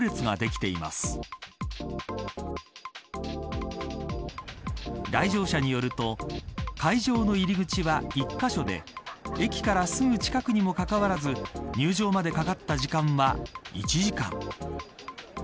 来場者によると会場の入り口は、１カ所で駅からすぐ近くにもかかわらず入場までかかった時間は１時間。